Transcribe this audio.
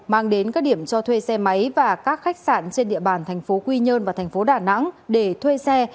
mang đến các điểm cho thuê xe máy và các khách sạn trên địa bàn thành phố quy nhơn và thành phố đà nẵng để thuê xe